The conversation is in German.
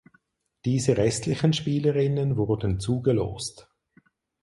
Diese restlichen Spielerinnen wurden zugelost.